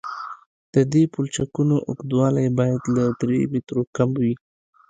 د دې پلچکونو اوږدوالی باید له درې مترو کم وي